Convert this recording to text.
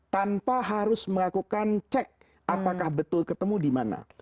tanpa harus melakukan cek apakah betul ketemu di mana